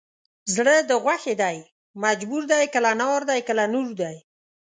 زړه د غوښې دی مجبور دی کله نار دی کله نور دی